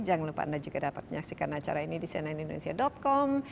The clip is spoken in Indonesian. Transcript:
jangan lupa anda juga dapat menyaksikan acara ini di cnnindonesia com